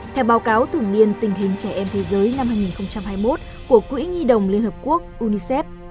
theo báo cáo thường niên tình hình trẻ em thế giới năm hai nghìn hai mươi một của quỹ nhi đồng liên hợp quốc unicef